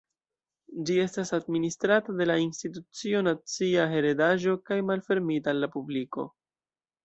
Ĝi estas administrata de la Institucio Nacia Heredaĵo kaj malfermita al la publiko.